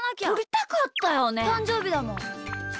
たんじょうびだもん。